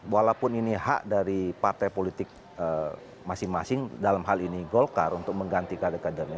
walaupun ini hak dari partai politik masing masing dalam hal ini golkar untuk mengganti kader kadernya